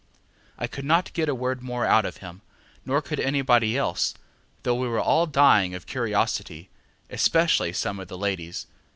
ŌĆØ I could not get a word more out of him, nor could anybody else, though we were all dying of curiosity, especially some of the ladies.